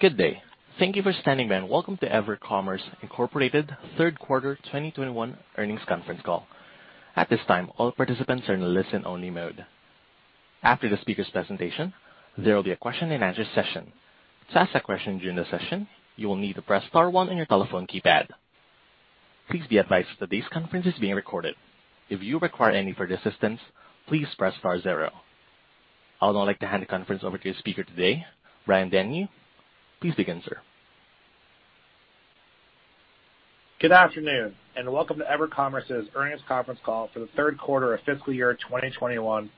Good day. Thank you for standing by and welcome to EverCommerce Inc. third quarter 2021 earnings conference call. At this time, all participants are in listen-only mode. After the speaker's presentation, there will be a question-and-answer session. To ask a question during the session, you will need to press star one on your telephone keypad. Please be advised that this conference is being recorded. If you require any further assistance, please press star zero. I would now like to hand the conference over to the speaker today, Brian Denyeau. Please begin, sir. Good afternoon, and welcome to EverCommerce's earnings conference call for the third quarter of fiscal year 2021,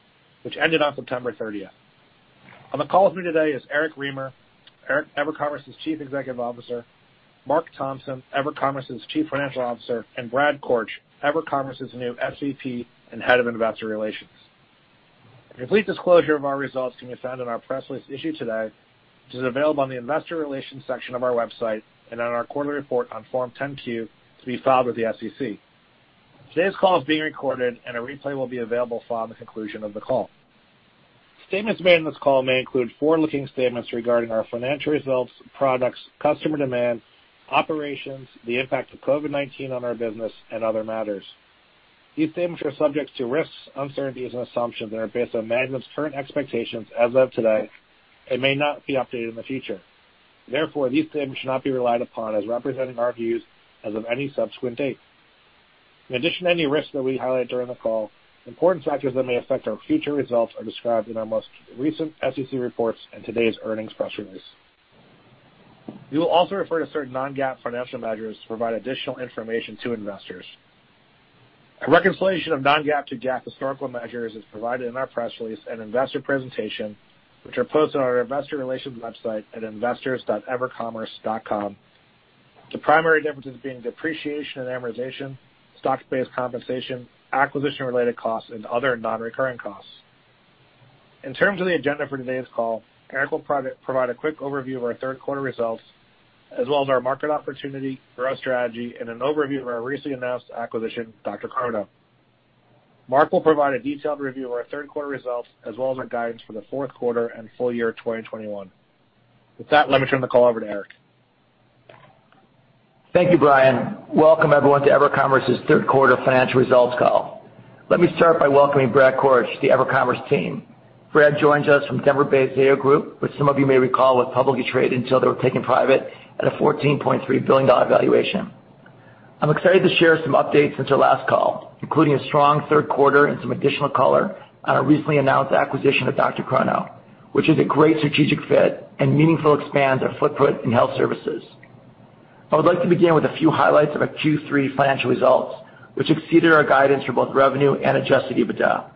which ended on September 30th. On the call with me today is Eric Remer, EverCommerce's Chief Executive Officer, Marc Thompson, EverCommerce's Chief Financial Officer, and Brad Korch, EverCommerce's new SVP and Head of Investor Relations. A complete disclosure of our results can be found in our press release issued today, which is available on the Investor Relations section of our website and on our quarterly report on Form 10-Q to be filed with the SEC. Today's call is being recorded and a replay will be available following the conclusion of the call. Statements made in this call may include forward-looking statements regarding our financial results, products, customer demand, operations, the impact of COVID-19 on our business, and other matters. These statements are subject to risks, uncertainties, and assumptions that are based on management's current expectations as of today and may not be updated in the future. Therefore, these statements should not be relied upon as representing our views as of any subsequent date. In addition to any risks that we highlight during the call, important factors that may affect our future results are described in our most recent SEC reports and today's earnings press release. We will also refer to certain non-GAAP financial measures to provide additional information to investors. A reconciliation of non-GAAP to GAAP historical measures is provided in our press release and investor presentation, which are posted on our Investor Relations website at investors.evercommerce.com. The primary differences being depreciation and amortization, stock-based compensation, acquisition related costs, and other non-recurring costs. In terms of the agenda for today's call, Eric will provide a quick overview of our third quarter results as well as our market opportunity, growth strategy, and an overview of our recently announced acquisition, DrChrono. Marc will provide a detailed review of our third quarter results as well as our guidance for the fourth quarter and full year 2021. With that, let me turn the call over to Eric. Thank you, Brian. Welcome everyone to EverCommerce's third quarter financial results call. Let me start by welcoming Brad Korch to the EverCommerce team. Brad joins us from Denver-based Zayo Group, which some of you may recall was publicly traded until they were taken private at a $14.3 billion valuation. I'm excited to share some updates since our last call, including a strong third quarter and some additional color on our recently announced acquisition of DrChrono, which is a great strategic fit and meaningfully expand our footprint in health services. I would like to begin with a few highlights of our Q3 financial results, which exceeded our guidance for both revenue and adjusted EBITDA.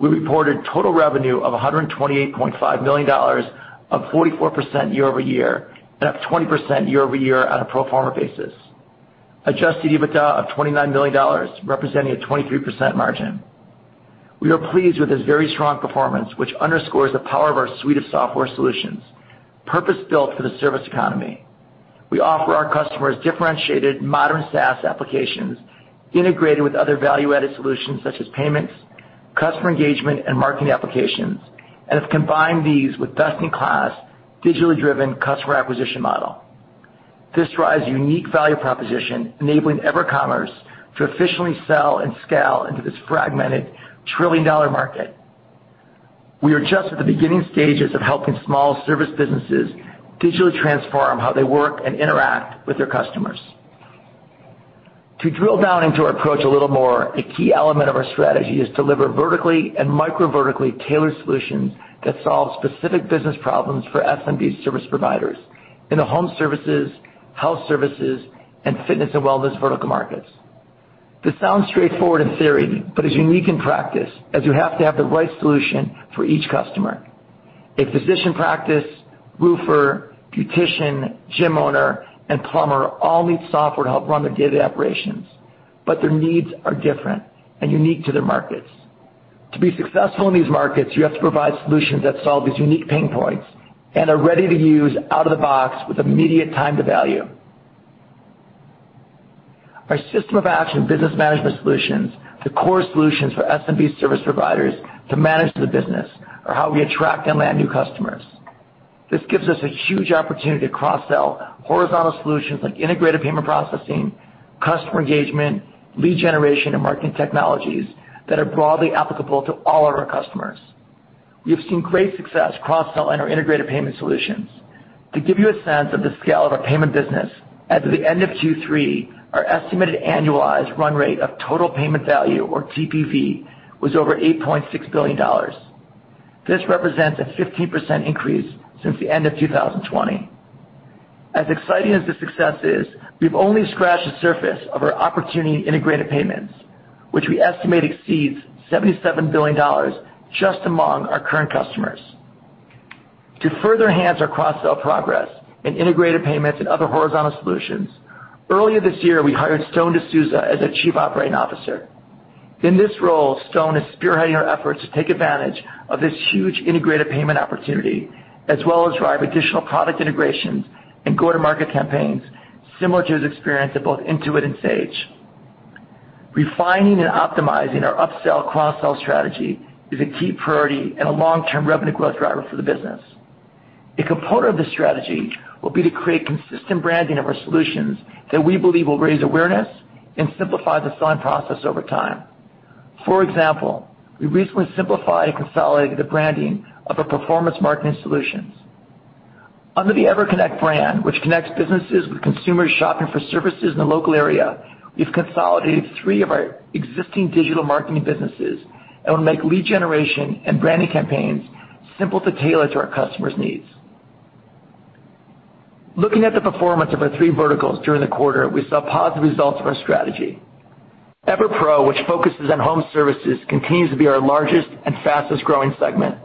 We reported total revenue of $128.5 million, up 44% year-over-year, and up 20% year-over-year on a pro forma basis. Adjusted EBITDA of $29 million, representing a 23% margin. We are pleased with this very strong performance, which underscores the power of our suite of software solutions, purpose-built for the service economy. We offer our customers differentiated modern SaaS applications integrated with other value-added solutions such as payments, customer engagement, and marketing applications, and have combined these with best-in-class, digitally driven customer acquisition model. This drives unique value proposition, enabling EverCommerce to efficiently sell and scale into this fragmented trillion-dollar market. We are just at the beginning stages of helping small service businesses digitally transform how they work and interact with their customers. To drill down into our approach a little more, a key element of our strategy is to deliver vertically and micro vertically tailored solutions that solve specific business problems for SMB service providers in the home services, health services, and fitness and wellness vertical markets. This sounds straightforward in theory, but is unique in practice, as you have to have the right solution for each customer. A physician practice, roofer, beautician, gym owner, and plumber all need software to help run their day-to-day operations, but their needs are different and unique to their markets. To be successful in these markets, you have to provide solutions that solve these unique pain points and are ready to use out of the box with immediate time to value. Our system of action business management solutions, the core solutions for SMB service providers to manage the business are how we attract and land new customers. This gives us a huge opportunity to cross-sell horizontal solutions like integrated payment processing, customer engagement, lead generation, and marketing technologies that are broadly applicable to all of our customers. We have seen great success cross-selling our integrated payment solutions. To give you a sense of the scale of our payment business, as of the end of Q3, our estimated annualized run-rate of total payment value, or TPV, was over $8.6 billion. This represents a 15% increase since the end of 2020. As exciting as this success is, we've only scratched the surface of our opportunity in integrated payments, which we estimate exceeds $77 billion just among our current customers. To further enhance our cross-sell progress in integrated payments and other horizontal solutions, earlier this year we hired Stone De Souza as Chief Operating Officer. In this role, Stone is spearheading our efforts to take advantage of this huge integrated payment opportunity, as well as drive additional product integrations and go-to-market campaigns, similar to his experience at both Intuit and Sage. Refining and optimizing our upsell cross-sell strategy is a key priority and a long-term revenue growth driver for the business. A component of this strategy will be to create consistent branding of our solutions that we believe will raise awareness and simplify the selling process over time. For example, we recently simplified and consolidated the branding of our performance marketing solutions. Under the EverConnect brand, which connects businesses with consumers shopping for services in the local area, we've consolidated three of our existing digital marketing businesses that will make lead generation and branding campaigns simple to tailor to our customers' needs. Looking at the performance of our three verticals during the quarter, we saw positive results from our strategy. EverPro, which focuses on home services, continues to be our largest and fastest-growing segment.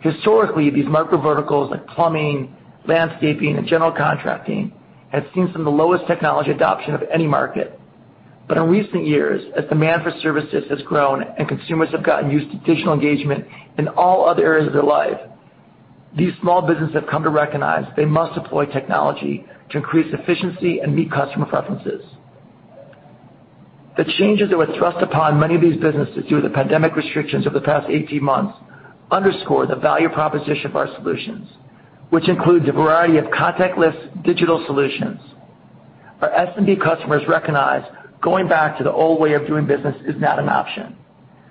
Historically, these micro verticals like plumbing, landscaping, and general contracting have seen some of the lowest technology adoption of any market. In recent years, as demand for services has grown and consumers have gotten used to digital engagement in all other areas of their life, these small businesses have come to recognize they must deploy technology to increase efficiency and meet customer preferences. The changes that were thrust upon many of these businesses due to the pandemic restrictions over the past 18 months underscore the value proposition of our solutions, which includes a variety of contactless digital solutions. Our SMB customers recognize going back to the old way of doing business is not an option,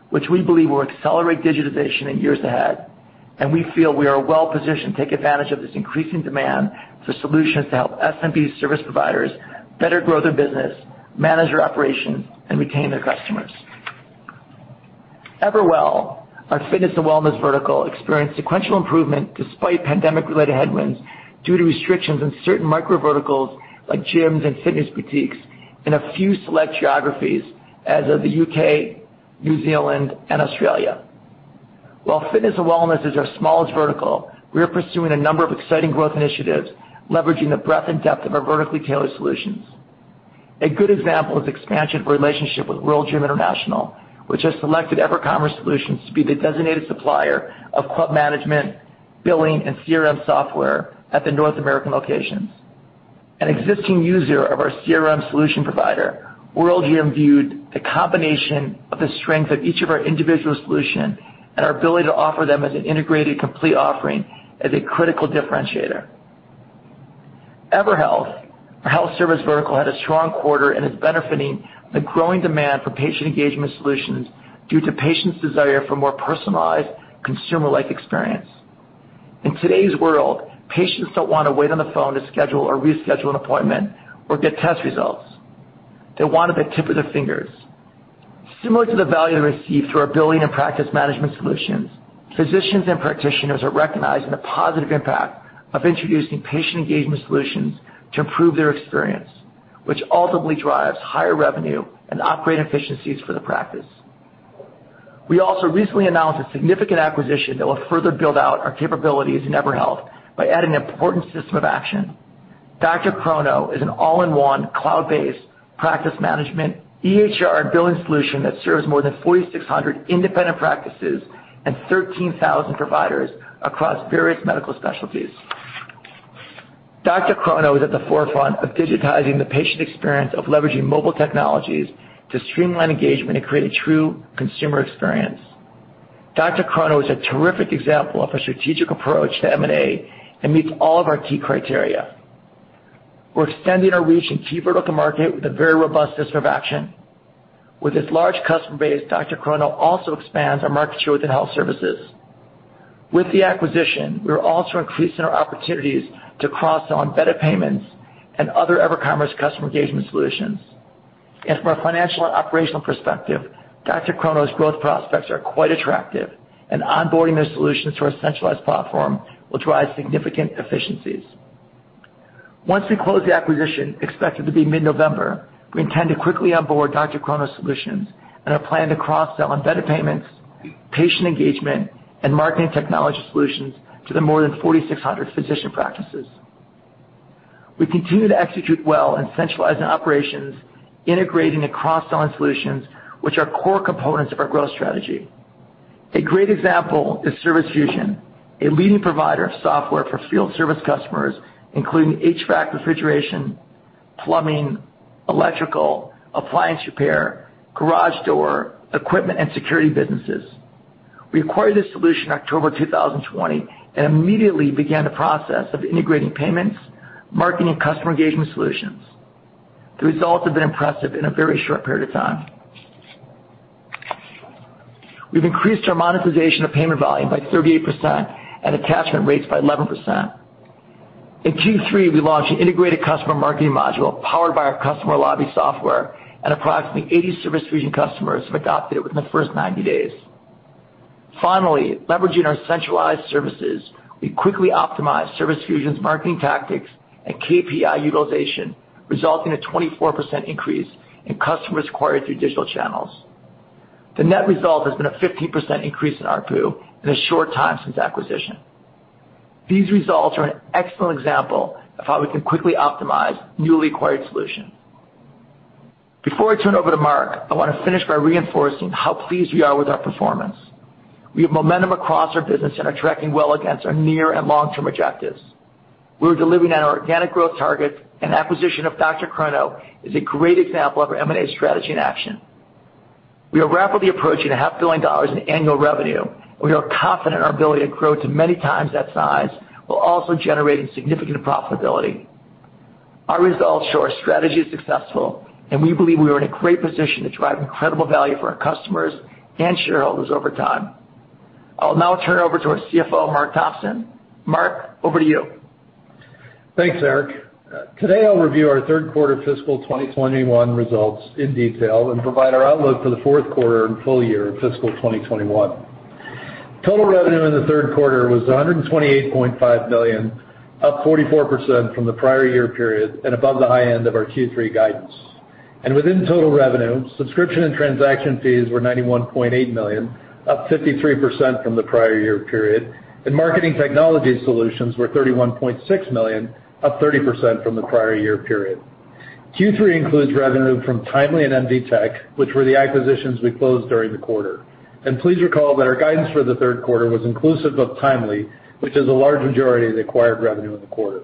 which we believe will accelerate digitization in years ahead, and we feel we are well positioned to take advantage of this increasing demand for solutions to help SMB service providers better grow their business, manage their operations, and retain their customers. EverWell, our fitness and wellness vertical, experienced sequential improvement despite pandemic-related headwinds due to restrictions in certain micro verticals like gyms and fitness boutiques in a few select geographies such as the U.K., New Zealand and Australia. While fitness and wellness is our smallest vertical, we are pursuing a number of exciting growth initiatives leveraging the breadth and depth of our vertically tailored solutions. A good example is expansion of relationship with World Gym International, which has selected EverCommerce solutions to be the designated supplier of club management, billing, and CRM software at the North American locations. An existing user of our CRM solution provider, World Gym viewed the combination of the strength of each of our individual solution and our ability to offer them as an integrated, complete offering as a critical differentiator. EverHealth, our health services vertical, had a strong quarter and is benefiting the growing demand for patient engagement solutions due to patients' desire for more personalized consumer-like experience. In today's world, patients don't wanna wait on the phone to schedule or reschedule an appointment or get test results. They want it at the tip of their fingers. Similar to the value they receive through our billing and practice management solutions, physicians and practitioners are recognizing the positive impact of introducing patient engagement solutions to improve their experience, which ultimately drives higher revenue and operating efficiencies for the practice. We also recently announced a significant acquisition that will further build out our capabilities in EverHealth by adding an important system of action. DrChrono is an all-in-one cloud-based practice management EHR and billing solution that serves more than 4,600 independent practices and 13,000 providers across various medical specialties. DrChrono is at the forefront of digitizing the patient experience by leveraging mobile technologies to streamline engagement and create a true consumer experience. DrChrono is a terrific example of a strategic approach to M&A and meets all of our key criteria. We're extending our reach in key vertical market with a very robust system of action. With its large customer base, DrChrono also expands our market share within health services. With the acquisition, we're also increasing our opportunities to cross-sell on better payments and other EverCommerce customer engagement solutions. From a financial and operational perspective, DrChrono's growth prospects are quite attractive, and onboarding their solutions to our centralized platform will drive significant efficiencies. Once we close the acquisition, expected to be mid-November, we intend to quickly onboard DrChrono solutions and are planning to cross-sell on better payments, patient engagement, and marketing technology solutions to the more than 4,600 physician practices. We continue to execute well in centralizing operations, integrating the cross-selling solutions, which are core components of our growth strategy. A great example is Service Fusion, a leading provider of software for field service customers, including HVAC, refrigeration, plumbing, electrical, appliance repair, garage door, equipment, and security businesses. We acquired this solution October 2020, and immediately began the process of integrating payments, marketing, and customer engagement solutions. The results have been impressive in a very short period of time. We've increased our monetization of payment volume by 38% and attachment rates by 11%. In Q3, we launched an integrated customer marketing module powered by our Customer Lobby software, and approximately 80 Service Fusion customers have adopted it within the first 90 days. Finally, leveraging our centralized services, we quickly optimized Service Fusion's marketing tactics and KPI utilization, resulting in a 24% increase in customers acquired through digital channels. The net result has been a 15% increase in ARPU in a short time since acquisition. These results are an excellent example of how we can quickly optimize newly acquired solutions. Before I turn over to Marc, I wanna finish by reinforcing how pleased we are with our performance. We have momentum across our business and are tracking well against our near and long-term objectives. We're delivering on our organic growth targets, and acquisition of DrChrono is a great example of our M&A strategy in action. We are rapidly approaching a half billion dollars in annual revenue. We are confident in our ability to grow to many times that size, while also generating significant profitability. Our results show our strategy is successful, and we believe we are in a great position to drive incredible value for our customers and shareholders over time. I'll now turn it over to our CFO, Marc Thompson. Marc, over to you. Thanks, Eric. Today, I'll review our third quarter fiscal 2021 results in detail and provide our outlook for the fourth quarter and full year in fiscal 2021. Total revenue in the third quarter was $128.5 million, up 44% from the prior year period and above the high end of our Q3 guidance. Within total revenue, subscription and transaction fees were $91.8 million, up 53% from the prior year period. Marketing technology solutions were $31.6 million, up 30% from the prior year period. Q3 includes revenue from Timely and MDTech, which were the acquisitions we closed during the quarter. Please recall that our guidance for the third quarter was inclusive of Timely, which is a large majority of the acquired revenue in the quarter.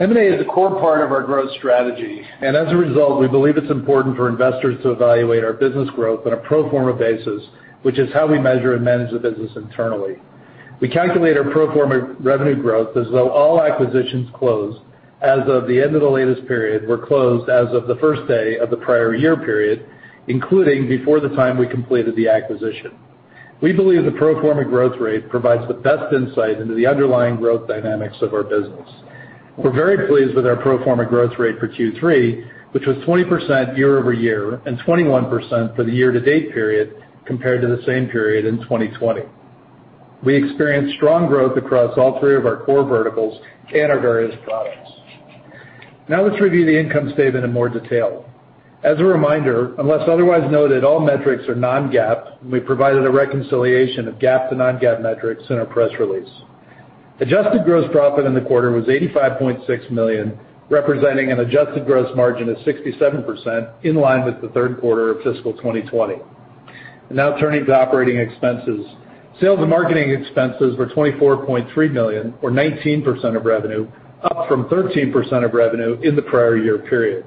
M&A is a core part of our growth strategy. As a result, we believe it's important for investors to evaluate our business growth on a pro forma basis, which is how we measure and manage the business internally. We calculate our pro forma revenue growth as though all acquisitions closed as of the end of the latest period were closed as of the first day of the prior year period, including before the time we completed the acquisition. We believe the pro forma growth rate provides the best insight into the underlying growth dynamics of our business. We're very pleased with our pro forma growth rate for Q3, which was 20% year-over-year and 21% for the year to date period compared to the same period in 2020. We experienced strong growth across all three of our core verticals and our various products. Now let's review the income statement in more detail. As a reminder, unless otherwise noted, all metrics are non-GAAP, and we provided a reconciliation of GAAP to non-GAAP metrics in our press release. Adjusted gross profit in the quarter was $85.6 million, representing an adjusted gross margin of 67%, in line with the third quarter of fiscal 2020. Now turning to operating expenses. Sales and marketing expenses were $24.3 million or 19% of revenue, up from 13% of revenue in the prior year period.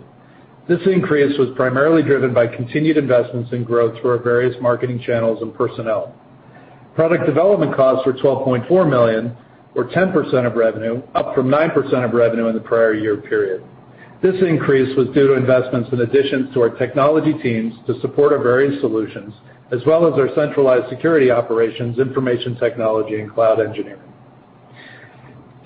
This increase was primarily driven by continued investments in growth through our various marketing channels and personnel. Product development costs were $12.4 million or 10% of revenue, up from 9% of revenue in the prior year period. This increase was due to investments in addition to our technology teams to support our various solutions, as well as our centralized security operations, information technology, and cloud engineering.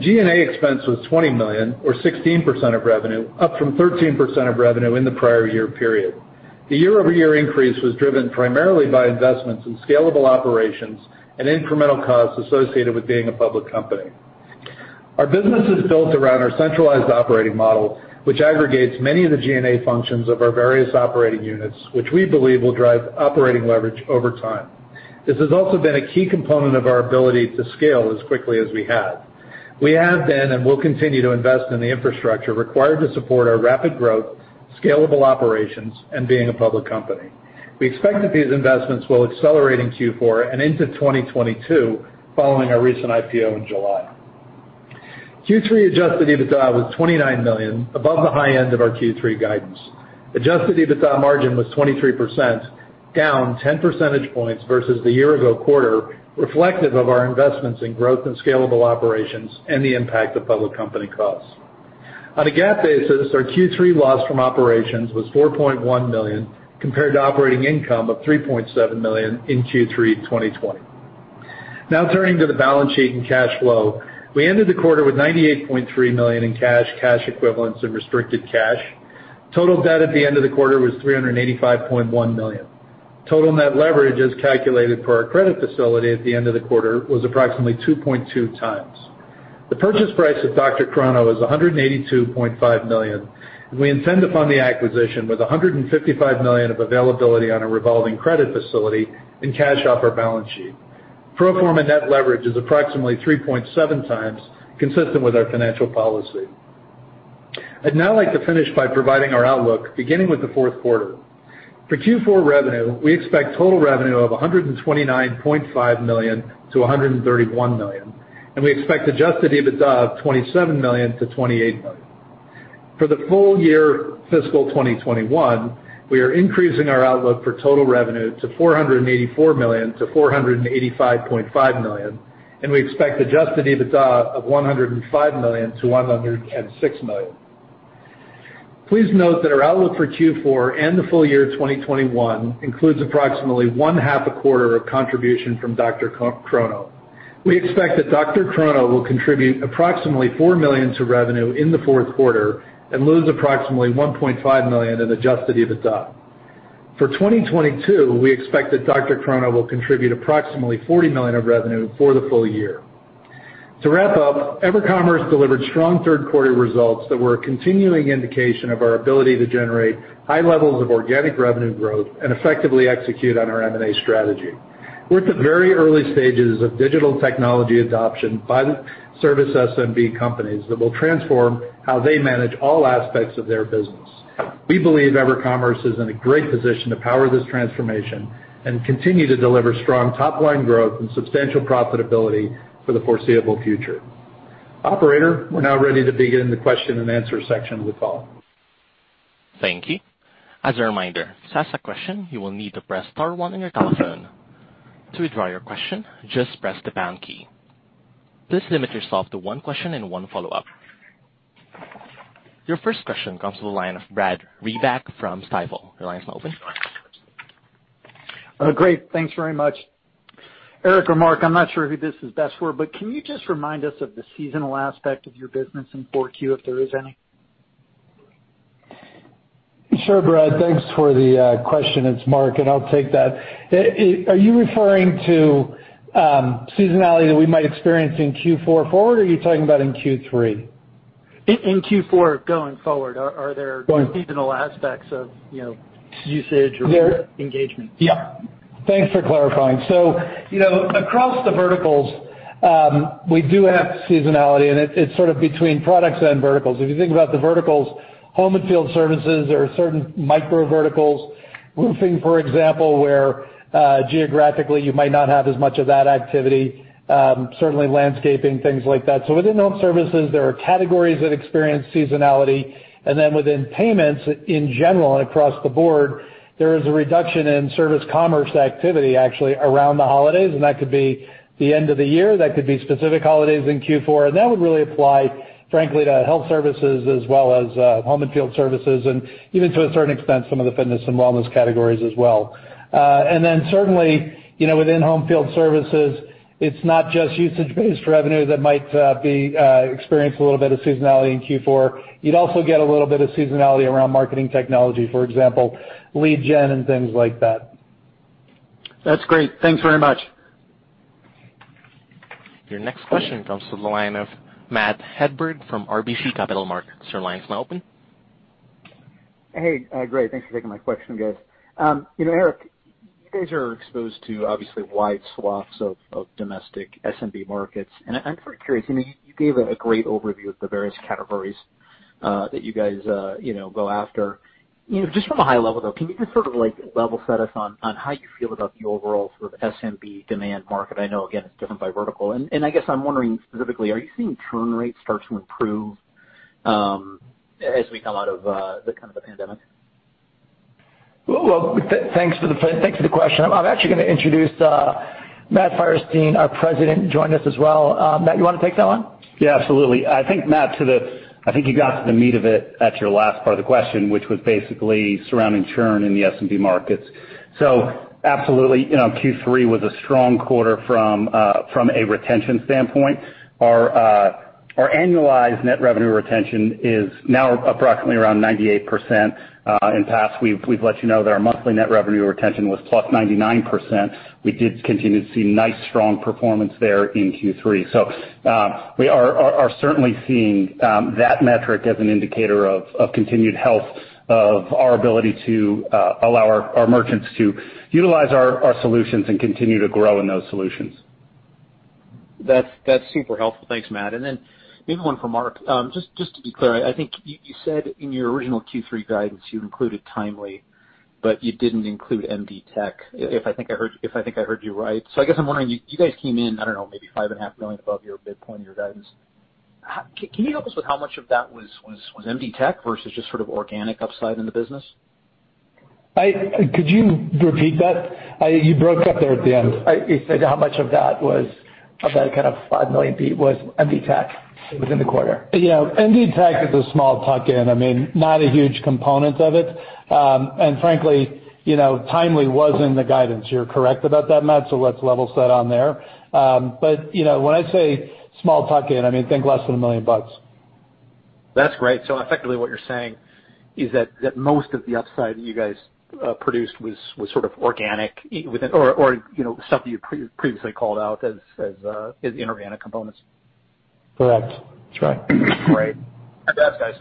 G&A expense was $20 million or 16% of revenue, up from 13% of revenue in the prior year period. The year-over-year increase was driven primarily by investments in scalable operations and incremental costs associated with being a public company. Our business is built around our centralized operating model, which aggregates many of the G&A functions of our various operating units, which we believe will drive operating leverage over time. This has also been a key component of our ability to scale as quickly as we have. We have been and will continue to invest in the infrastructure required to support our rapid growth, scalable operations, and being a public company. We expect that these investments will accelerate in Q4 and into 2022 following our recent IPO in July. Q3 adjusted EBITDA was $29 million, above the high end of our Q3 guidance. Adjusted EBITDA margin was 23%, down 10 percentage points versus the year-ago quarter, reflective of our investments in growth and scalable operations and the impact of public company costs. On a GAAP basis, our Q3 loss from operations was $4.1 million, compared to operating income of $3.7 million in Q3 2020. Now turning to the balance sheet and cash flow. We ended the quarter with $98.3 million in cash equivalents, and restricted cash. Total debt at the end of the quarter was $385.1 million. Total net leverage, as calculated per our credit facility at the end of the quarter, was approximately 2.2 times. The purchase price of DrChrono was $182.5 million. We intend to fund the acquisition with $155 million of availability on a revolving credit facility and cash off our balance sheet. Pro forma net leverage is approximately 3.7x, consistent with our financial policy. I'd now like to finish by providing our outlook, beginning with the fourth quarter. For Q4 revenue, we expect total revenue of $129.5 million-$131 million, and we expect adjusted EBITDA of $27 million-$28 million. For the full year fiscal 2021, we are increasing our outlook for total revenue to $484 million-$485.5 million, and we expect adjusted EBITDA of $105 million-$106 million. Please note that our outlook for Q4 and the full year 2021 includes approximately one-half a quarter of contribution from DrChrono. We expect that DrChrono will contribute approximately $4 million to revenue in the fourth quarter and lose approximately $1.5 million in adjusted EBITDA. For 2022, we expect that DrChrono will contribute approximately $40 million of revenue for the full year. To wrap up, EverCommerce delivered strong third quarter results that were a continuing indication of our ability to generate high levels of organic revenue growth and effectively execute on our M&A strategy. We're at the very early stages of digital technology adoption by the service SMB companies that will transform how they manage all aspects of their business. We believe EverCommerce is in a great position to power this transformation and continue to deliver strong top line growth and substantial profitability for the foreseeable future. Operator, we're now ready to begin the question-and-answer section of the call. Thank you. As a reminder, to ask a question, you will need to press star one on your telephone. To withdraw your question, just press the pound key. Please limit yourself to one question and one follow-up. Your first question comes to the line of Brad Reback from Stifel. Your line is now open. Great. Thanks very much. Eric or Marc, I'm not sure who this is best for, but can you just remind us of the seasonal aspect of your business in Q4, if there is any? Sure, Brad. Thanks for the question. It's Marc, and I'll take that. Are you referring to seasonality that we might experience in Q4 forward, or are you talking about in Q3? In Q4 going forward, are there Go ahead. seasonal aspects of, you know, usage or There- -engagement? Yeah. Thanks for clarifying. You know, across the verticals, we do have seasonality, and it's sort of between products and verticals. If you think about the verticals, home and field services, there are certain micro verticals, roofing, for example, where geographically, you might not have as much of that activity, certainly landscaping, things like that. Within home services, there are categories that experience seasonality, and then within payments in general and across the board, there is a reduction in service commerce activity actually around the holidays, and that could be the end of the year, that could be specific holidays in Q4, and that would really apply, frankly, to health services as well as home and field services and even to a certain extent, some of the fitness and wellness categories as well. Certainly, you know, within home field services, it's not just usage-based revenue that might be experiencing a little bit of seasonality in Q4. You'd also get a little bit of seasonality around marketing technology, for example, lead gen and things like that. That's great. Thanks very much. Your next question comes from the line of Matt Hedberg from RBC Capital Markets. Your line is now open. Hey, great. Thanks for taking my question, guys. You know, Eric, you guys are exposed to obviously wide swaths of domestic SMB markets, and I'm quite curious. I mean, you gave a great overview of the various categories that you guys you know go after. You know, just from a high level, though, can you just sort of like level set us on how you feel about the overall sort of SMB demand market? I know, again, it's different by vertical. I guess I'm wondering specifically, are you seeing churn rates start to improve as we come out of the kind of the pandemic? Well, thanks for the question. I'm actually gonna introduce Matt Feierstein, our President, joining us as well. Matt, you wanna take that one? Yeah, absolutely. I think, Matt, I think you got to the meat of it at your last part of the question, which was basically surrounding churn in the SMB markets. Absolutely, you know, Q3 was a strong quarter from a retention standpoint. Our annualized net revenue retention is now approximately around 98%. In the past, we've let you know that our monthly net revenue retention was plus 99%. We did continue to see nice, strong performance there in Q3. We are certainly seeing that metric as an indicator of continued health of our ability to allow our merchants to utilize our solutions and continue to grow in those solutions. That's super helpful. Thanks, Matt. Maybe one for Marc. Just to be clear, I think you said in your original Q3 guidance, you included Timely, but you didn't include MDTech, if I think I heard you right. I guess I'm wondering, you guys came in, I don't know, maybe $5.5 million above your midpoint of your guidance. How can you help us with how much of that was MDTech versus just sort of organic upside in the business? Could you repeat that? You broke up there at the end. You said how much of that kind of $5 million fee was MDTech within the quarter? Yeah. MDTech is a small tuck-in. I mean, not a huge component of it. Frankly, you know, Timely was in the guidance. You're correct about that, Matt, so let's level set on there. You know, when I say small tuck-in, I mean, think less than $1 million. That's great. Effectively, what you're saying is that most of the upside you guys produced was sort of organic, either within or, you know, stuff you previously called out as inorganic components. Correct. That's right. Great. Thanks, guys.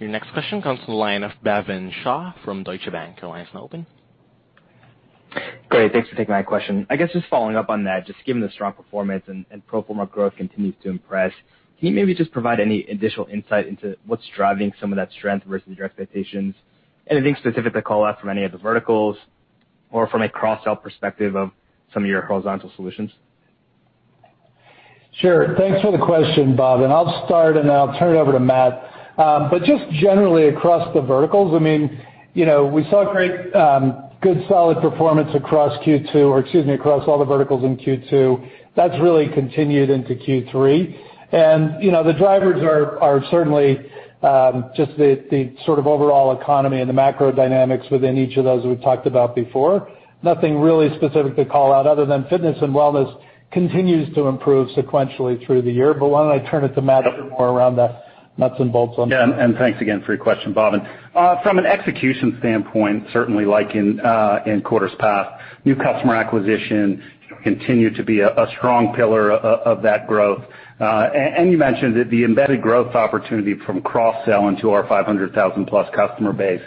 Your next question comes from the line of Bhavin Shah from Deutsche Bank. Your line is now open. Great. Thanks for taking my question. I guess just following up on that, just given the strong performance and pro forma growth continues to impress, can you maybe just provide any additional insight into what's driving some of that strength versus your expectations? Anything specific to call out from any of the verticals or from a cross-sell perspective of some of your horizontal solutions? Sure. Thanks for the question, Bhavin. I'll start, and I'll turn it over to Matt. But just generally across the verticals, I mean, you know, we saw great, good, solid performance across all the verticals in Q2. That's really continued into Q3. You know, the drivers are certainly just the sort of overall economy and the macro dynamics within each of those we've talked about before. Nothing really specific to call out other than fitness and wellness continues to improve sequentially through the year. Why don't I turn it to Matt a bit more around the nuts and bolts on that. Yeah, thanks again for your question, Bhavin. From an execution standpoint, certainly like in quarters past, new customer acquisition continued to be a strong pillar of that growth. You mentioned the embedded growth opportunity from cross-sell into our 500,000+ customer base.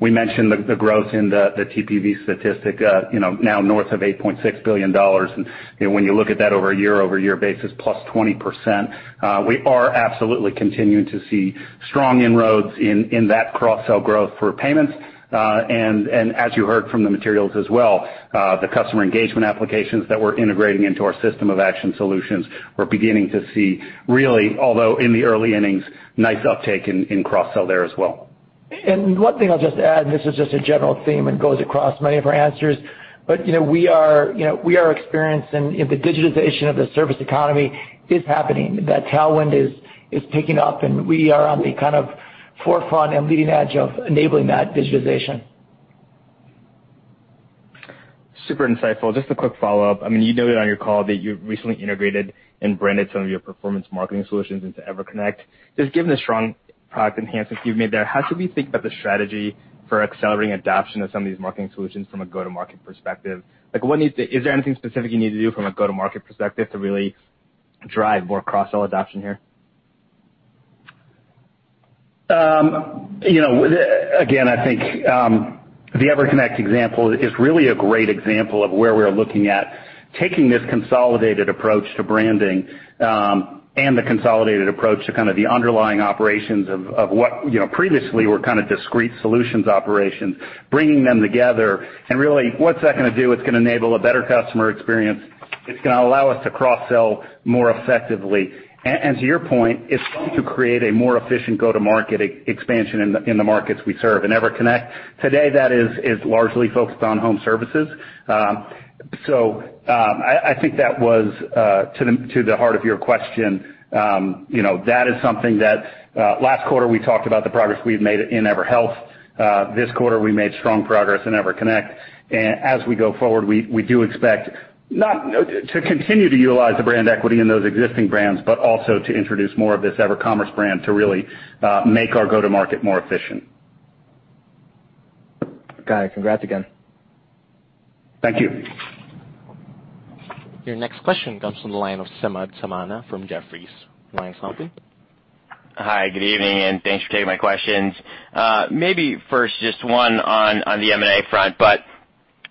We mentioned the growth in the TPV statistic, now north of $8.6 billion. When you look at that over a year-over-year basis, +20%, we are absolutely continuing to see strong inroads in that cross-sell growth for payments. As you heard from the materials as well, the customer engagement applications that we're integrating into our system of action solutions. We're beginning to see really, although in the early innings, nice uptake in cross-sell there as well. One thing I'll just add, this is just a general theme and goes across many of our answers, but, you know, we are, you know, we are experiencing the digitization of the service economy is happening. That tailwind is picking up, and we are on the kind of forefront and leading edge of enabling that digitization. Super insightful. Just a quick follow-up. I mean, you noted on your call that you recently integrated and branded some of your performance marketing solutions into EverConnect. Just given the strong product enhancements you've made there, how should we think about the strategy for accelerating adoption of some of these marketing solutions from a go-to-market perspective? Like is there anything specific you need to do from a go-to-market perspective to really drive more cross-sell adoption here? You know, again, I think the EverConnect example is really a great example of where we're looking at taking this consolidated approach to branding, and the consolidated approach to kind of the underlying operations of what, you know, previously were kinda discrete solutions operations, bringing them together. Really, what's that gonna do? It's gonna enable a better customer experience. It's gonna allow us to cross-sell more effectively. To your point, it's going to create a more efficient go-to-market expansion in the markets we serve. In EverConnect, today, that is largely focused on home services. So, I think that was to the heart of your question, you know, that is something that last quarter we talked about the progress we've made in EverHealth. This quarter, we made strong progress in EverConnect. As we go forward, we do expect to continue to utilize the brand equity in those existing brands, but also to introduce more of this EverCommerce brand to really make our go-to-market more efficient. Got it. Congrats again. Thank you. Your next question comes from the line of Samad Samana from Jefferies. Line's open. Hi, good evening, and thanks for taking my questions. Maybe first, just one on the M&A front.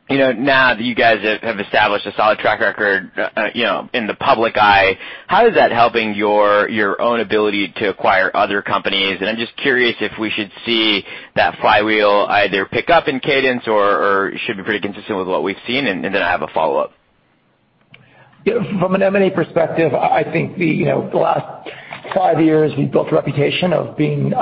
You know, now that you guys have established a solid track record, you know, in the public eye, how is that helping your own ability to acquire other companies? And I'm just curious if we should see that flywheel either pick up in cadence or should be pretty consistent with what we've seen. And then I have a follow-up. Yeah, from an M&A perspective, I think you know the last five years, we've built a reputation of being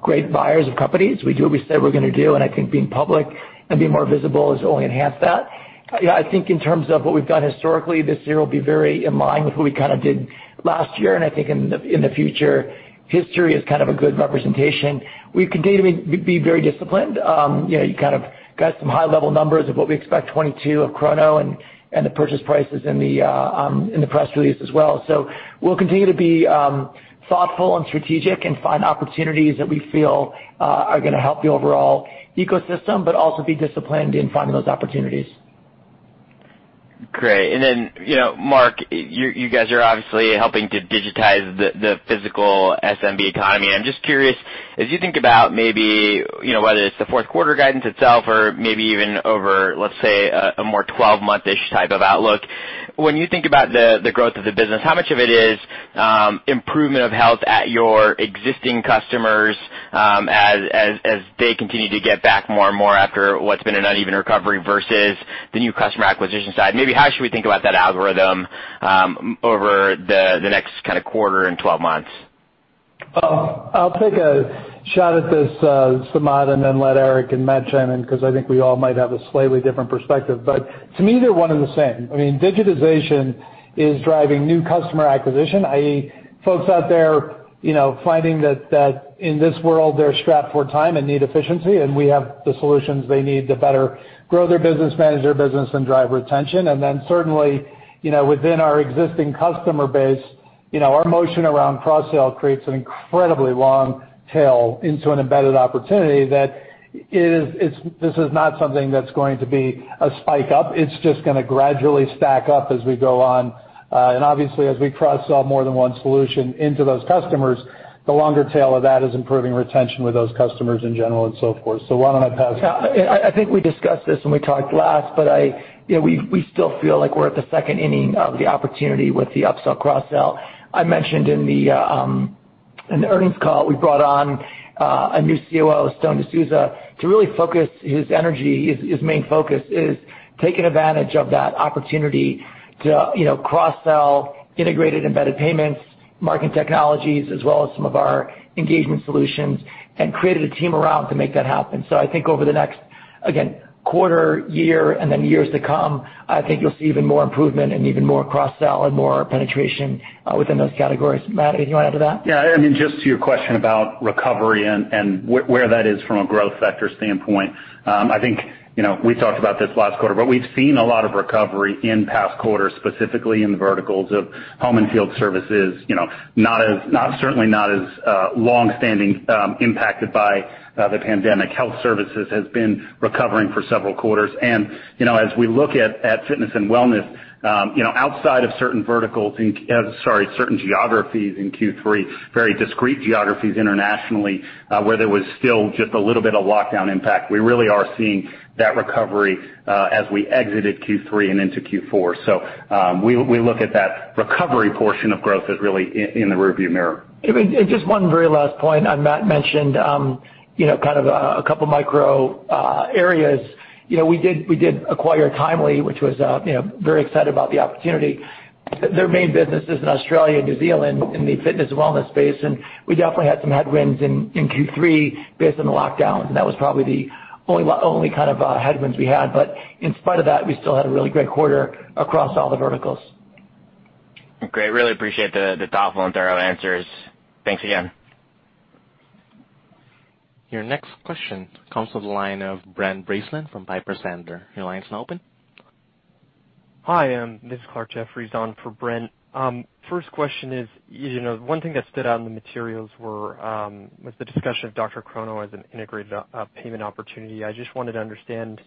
great buyers of companies. We do what we say we're gonna do, and I think being public and being more visible has only enhanced that. I think in terms of what we've done historically, this year will be very in line with what we kinda did last year. I think in the future, history is kind of a good representation. We continue to be very disciplined. You know, you kind of got some high-level numbers of what we expect 2022 of DrChrono and the purchase prices in the press release as well. We'll continue to be thoughtful and strategic and find opportunities that we feel are gonna help the overall ecosystem but also be disciplined in finding those opportunities. Great. Then, you know, Marc, you guys are obviously helping to digitize the physical SMB economy. I'm just curious, as you think about maybe, you know, whether it's the fourth quarter guidance itself or maybe even over, let's say, a more 12-month-ish type of outlook, when you think about the growth of the business, how much of it is improvement of health at your existing customers, as they continue to get back more and more after what's been an uneven recovery versus the new customer acquisition side? Maybe how should we think about that algorithm over the next kinda quarter and twelve months? I'll take a shot at this, Samad, and then let Eric and Matt chime in 'cause I think we all might have a slightly different perspective. To me, they're one and the same. I mean, digitization is driving new customer acquisition, i.e., folks out there, you know, finding that in this world, they're strapped for time and need efficiency, and we have the solutions they need to better grow their business, manage their business, and drive retention. Then certainly, you know, within our existing customer base, you know, our motion around cross-sell creates an incredibly long tail into an embedded opportunity. This is not something that's going to be a spike up. It's just gonna gradually stack up as we go on. Obviously, as we cross-sell more than one solution into those customers, the longer tail of that is improving retention with those customers in general and so forth. Why don't I pass- I think we discussed this when we talked last, but you know, we still feel like we're at the second inning of the opportunity with the upsell, cross-sell. I mentioned in the earnings call, we brought on a new COO, Stone DeSouza, to really focus his energy. His main focus is taking advantage of that opportunity to, you know, cross-sell integrated embedded payments, marketing technologies, as well as some of our engagement solutions and created a team around to make that happen. I think over the next Again, quarter, year, and then years to come, I think you'll see even more improvement and even more cross-sell and more penetration within those categories. Matt, anything you wanna add to that? Yeah. I mean, just to your question about recovery and where that is from a growth sector standpoint, I think, you know, we talked about this last quarter, but we've seen a lot of recovery in past quarters, specifically in the verticals of home and field services, you know, not certainly not as long-standing impacted by the pandemic. Health services has been recovering for several quarters. You know, as we look at fitness and wellness, you know, outside of certain geographies in Q3, very discrete geographies internationally, where there was still just a little bit of lockdown impact, we really are seeing that recovery as we exited Q3 and into Q4. We look at that recovery portion of growth as really in the rearview mirror. Just one very last point, Matt mentioned, you know, kind of a couple micro areas. You know, we did acquire Timely, which was, you know, very excited about the opportunity. Their main business is in Australia and New Zealand in the fitness and wellness space, and we definitely had some headwinds in Q3 based on the lockdowns, and that was probably the only kind of headwinds we had. In spite of that, we still had a really great quarter across all the verticals. Great. Really appreciate the thoughtful and thorough answers. Thanks again. Your next question comes to the line of Brent Bracelin from Piper Sandler. Your line is now open. Hi, this is Clarke Jeffries on for Brent. First question is, you know, one thing that stood out in the materials was the discussion of DrChrono as an integrated payment opportunity. I just wanted to understand,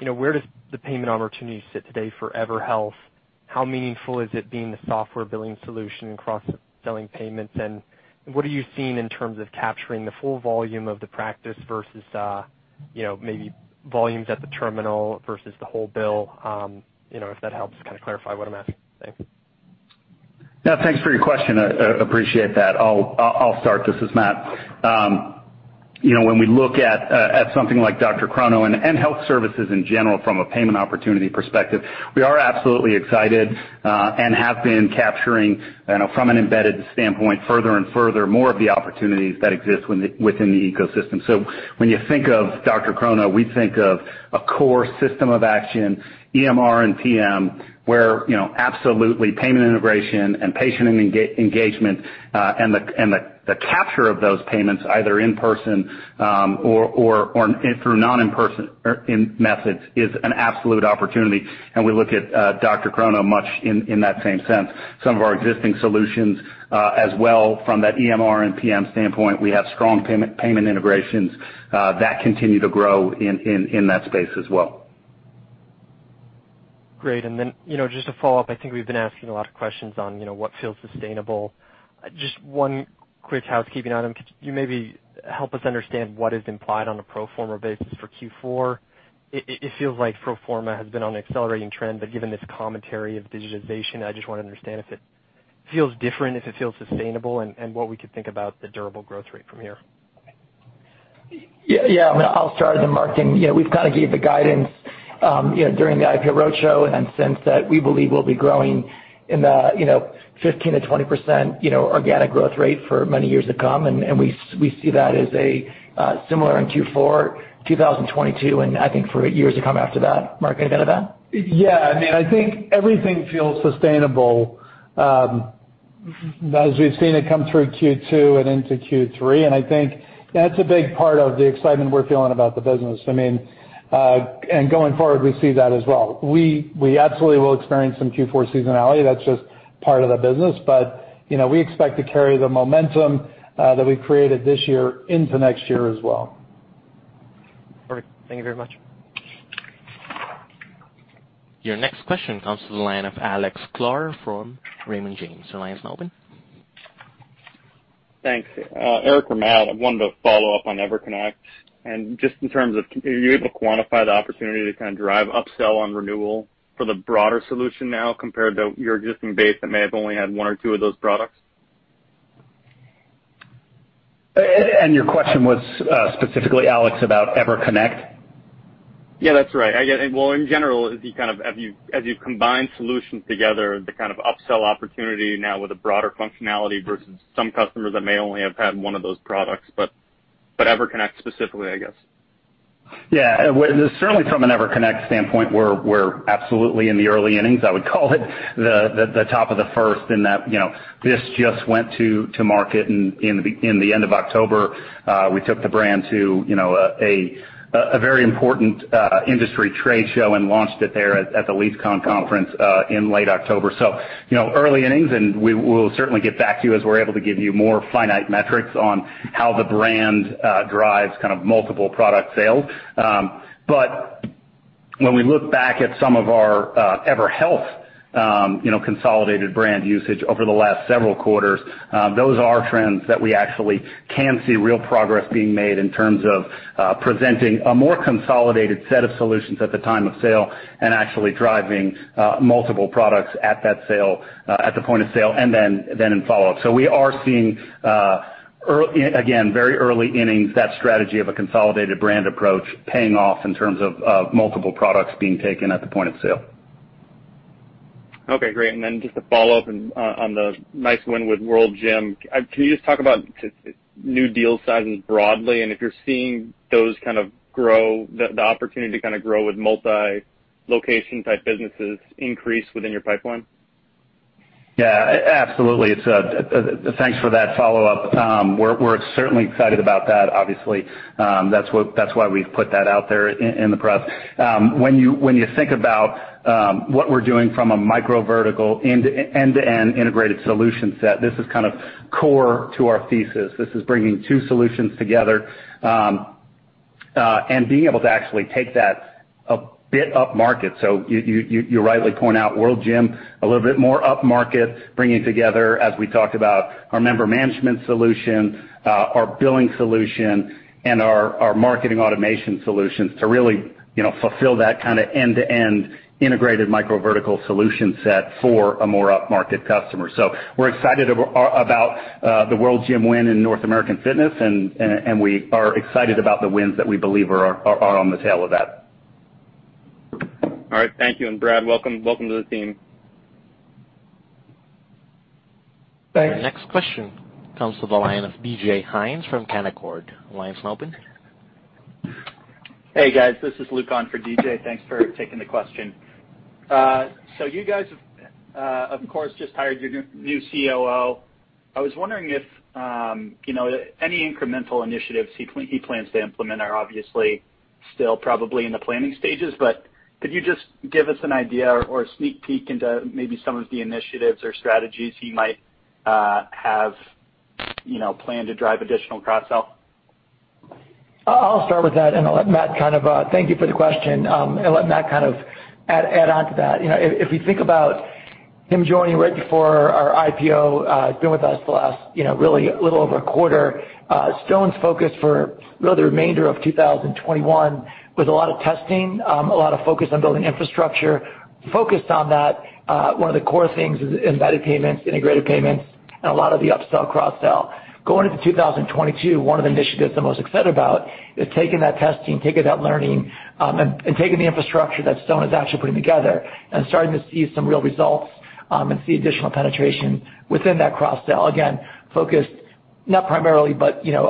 you know, where does the payment opportunity sit today for EverHealth? How meaningful is it being the software billing solution and cross-selling payments? And what are you seeing in terms of capturing the full volume of the practice versus, you know, maybe volumes at the terminal versus the whole bill? You know, if that helps kind of clarify what I'm asking. Thanks. Yeah, thanks for your question. Appreciate that. I'll start. This is Matt. You know, when we look at something like DrChrono and health services in general from a payment opportunity perspective, we are absolutely excited and have been capturing, you know, from an embedded standpoint, further and further more of the opportunities that exist within the ecosystem. When you think of DrChrono, we think of a core system of action, EMR and PM, where, you know, absolutely payment integration and patient engagement and the capture of those payments, either in person or through non-in-person methods, is an absolute opportunity, and we look at DrChrono much in that same sense. Some of our existing solutions, as well from that EMR and PM standpoint, we have strong payment integrations that continue to grow in that space as well. Great. Then, you know, just to follow up, I think we've been asking a lot of questions on, you know, what feels sustainable. Just one quick housekeeping item. Could you maybe help us understand what is implied on a pro forma basis for Q4? It feels like pro forma has been on an accelerating trend, but given this commentary of digitization, I just wanna understand if it feels different, if it feels sustainable, and what we could think about the durable growth rate from here. Yeah. Yeah, I'll start, then Marc can. You know, we've kind of gave the guidance during the IPO roadshow, and then since that, we believe we'll be growing in the 15%-20% organic growth rate for many years to come, and we see that as a similar in Q4 2022, and I think for years to come after that. Marc, any add to that? Yeah. I mean, I think everything feels sustainable, as we've seen it come through Q2 and into Q3, and I think that's a big part of the excitement we're feeling about the business. I mean, going forward, we see that as well. We absolutely will experience some Q4 seasonality. That's just part of the business. You know, we expect to carry the momentum that we created this year into next year as well. Perfect. Thank you very much. Your next question comes to the line of Alex Sklar from Raymond James. Your line is now open. Thanks. Eric or Matt, I wanted to follow up on EverConnect. Just in terms of, are you able to quantify the opportunity to kind of drive upsell on renewal for the broader solution now compared to your existing base that may have only had one or two of those products? Your question was, specifically, Alex, about EverConnect? Yeah, that's right. I get it. Well, in general, as you've combined solutions together, the kind of upsell opportunity now with a broader functionality versus some customers that may only have had one of those products, but EverConnect specifically, I guess. Yeah. Well, certainly from an EverConnect standpoint, we're absolutely in the early innings. I would call it the top of the first in that you know this just went to market in the end of October. We took the brand to you know a very important industry trade show and launched it there at the LeadsCon Conference in late October. You know early innings, and we will certainly get back to you as we're able to give you more finite metrics on how the brand drives kind of multiple product sales. When we look back at some of our EverHealth, you know, consolidated brand usage over the last several quarters, those are trends that we actually can see real progress being made in terms of presenting a more consolidated set of solutions at the time of sale and actually driving multiple products at that sale, at the point of sale and then in follow-up. We are seeing, again, very early innings, that strategy of a consolidated brand approach paying off in terms of multiple products being taken at the point of sale. Okay, great. Just to follow up on the nice win with World Gym, can you just talk about just new deal sizes broadly, and if you're seeing those kind of grow, the opportunity to kind of grow with multi-location type businesses increase within your pipeline? Yeah. Absolutely. It's thanks for that follow-up, we're certainly excited about that, obviously. That's why we've put that out there in the press. When you think about what we're doing from a micro vertical end-to-end integrated solution set, this is kind of core to our thesis. This is bringing two solutions together and being able to actually take that a bit up market. You rightly point out World Gym, a little bit more upmarket, bringing together, as we talked about, our member management solution, our billing solution, and our marketing automation solutions to really, you know, fulfill that kind of end-to-end integrated micro vertical solution set for a more upmarket customer. We're excited about the World Gym win in North American Fitness and we are excited about the wins that we believe are on the tail of that. All right. Thank you, and Brad, welcome to the team. Thanks. Our next question comes to the line of DJ Hynes from Canaccord. Line's now open. Hey guys, this is Luke on for DJ. Thanks for taking the question. So you guys, of course, just hired your new COO. I was wondering if, you know, any incremental initiatives he plans to implement are obviously still probably in the planning stages, but could you just give us an idea or a sneak peek into maybe some of the initiatives or strategies he might have, you know, planned to drive additional cross-sell? I'll start with that, and I'll let Matt kind of add onto that. You know, if we think about him joining right before our IPO, he's been with us the last, you know, really little over a quarter. Stone's focus for really the remainder of 2021 was a lot of testing, a lot of focus on building infrastructure, focused on that. One of the core things is embedded payments, integrated payments, and a lot of the upsell, cross-sell. Going into 2022, one of the initiatives I'm most excited about is taking that testing, taking that learning, and taking the infrastructure that Stone is actually putting together and starting to see some real results, and see additional penetration within that cross-sell. Again, focused not primarily, but, you know,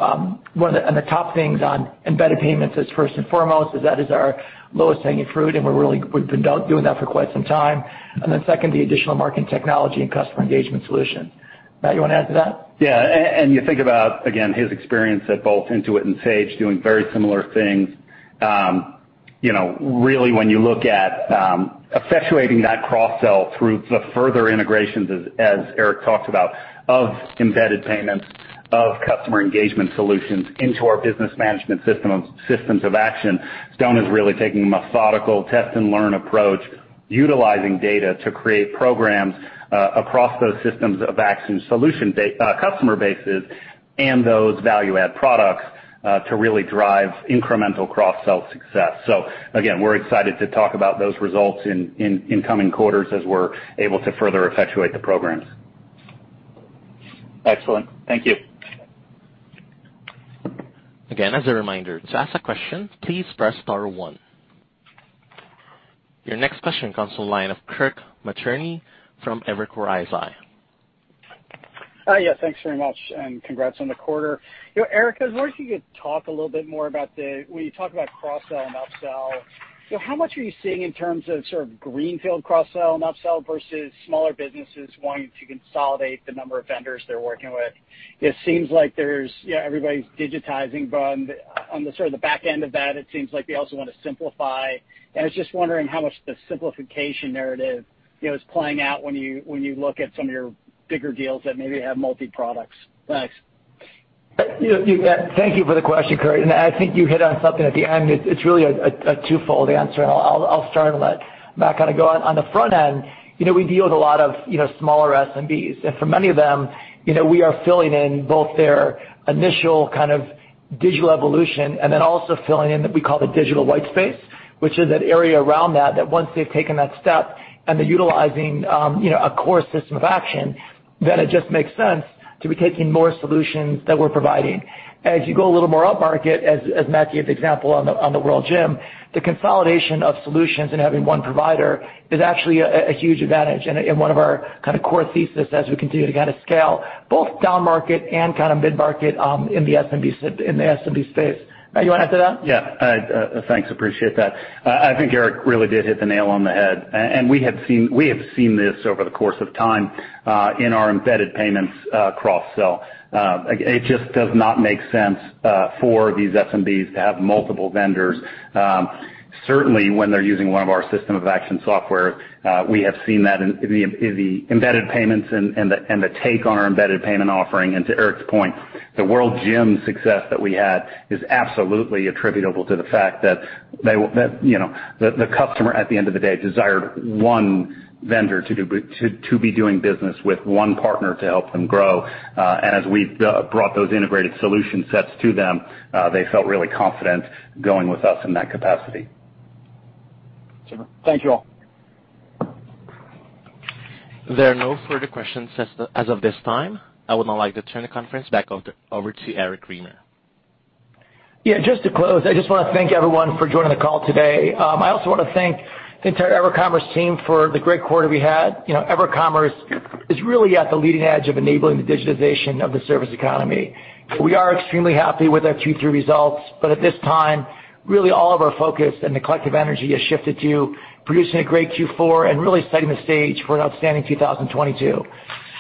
one of the top things on embedded payments is first and foremost that is our lowest hanging fruit, and we've been doing that for quite some time. Second, the additional marketing technology and customer engagement solution. Matt, you wanna add to that? Yeah. You think about, again, his experience at both Intuit and Sage doing very similar things. You know, really when you look at effectuating that cross-sell through the further integrations, as Eric talked about, of embedded payments, of customer engagement solutions into our business management system of systems of action, Stone is really taking a methodical test-and-learn approach, utilizing data to create programs across those systems of action solution customer bases and those value-add products, to really drive incremental cross-sell success. Again, we're excited to talk about those results in coming quarters as we're able to further effectuate the programs. Excellent. Thank you. Again, as a reminder, to ask a question, please press star one. Your next question comes to the line of Kirk Materne from Evercore ISI. Hi. Yeah, thanks very much and congrats on the quarter. You know, Eric, I was wondering if you could talk a little bit more about the when you talk about cross-sell and upsell, so how much are you seeing in terms of sort of greenfield cross-sell and upsell versus smaller businesses wanting to consolidate the number of vendors they're working with? It seems like there's, you know, everybody's digitizing, but on the sort of the back end of that, it seems like they also wanna simplify. I was just wondering how much the simplification narrative, you know, is playing out when you look at some of your bigger deals that maybe have multi products. Thanks. You know, thank you for the question, Kirk, and I think you hit on something at the end. It's really a twofold answer. I'll start and let Matt kind of go on. On the front end, you know, we deal with a lot of, you know, smaller SMBs. For many of them, you know, we are filling in both their initial kind of digital evolution and then also filling in what we call the digital white space, which is that area around that once they've taken that step and they're utilizing, you know, a core system of action, then it just makes sense to be taking more solutions that we're providing. As you go a little more upmarket, as Matt gave the example on the World Gym, the consolidation of solutions and having one provider is actually a huge advantage and one of our kind of core thesis as we continue to kind of scale both downmarket and kind of midmarket in the SMB space. Matt, you wanna add to that? Yeah. Thanks. Appreciate that. I think Eric really did hit the nail on the head. We have seen this over the course of time in our embedded payments cross-sell. It just does not make sense for these SMBs to have multiple vendors, certainly when they're using one of our system of action software. We have seen that in the embedded payments and the take on our embedded payment offering. To Eric's point, the World Gym success that we had is absolutely attributable to the fact that, you know, the customer at the end of the day desired one vendor to be doing business with, one partner to help them grow. As we brought those integrated solution sets to them, they felt really confident going with us in that capacity. Thank you all. There are no further questions as of this time. I would now like to turn the conference back over to Eric Remer. Yeah, just to close, I just wanna thank everyone for joining the call today. I also wanna thank the entire EverCommerce team for the great quarter we had. You know, EverCommerce is really at the leading edge of enabling the digitization of the service economy. We are extremely happy with our Q3 results, but at this time, really all of our focus and the collective energy has shifted to producing a great Q4 and really setting the stage for an outstanding 2022.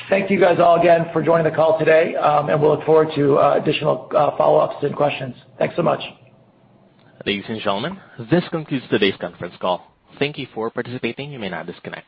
Thank you guys all again for joining the call today, and we'll look forward to additional follow-ups and questions. Thanks so much. Ladies and gentlemen, this concludes today's conference call. Thank you for participating. You may now disconnect.